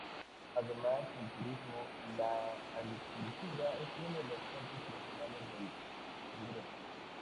Además del turismo, la agricultura es una de las fuentes tradicionales de ingresos.